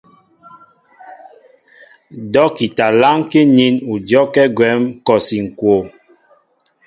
Dɔ́kita lánkí nín ú dyɔ́kɛ́ gwɛ̌m kɔsi ŋ̀kwoo.